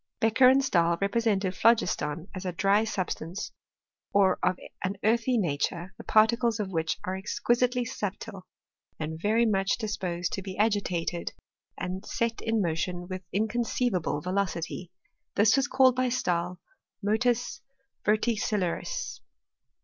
Bec cher and Stahl represented phlogiston as a dry sub stance, or of an earthy nature, the particles of which are exquisitely subtile, and very much disposed to be agitated and set in motion with inconceivable velocity. This was called by Stahl motus verticillaris.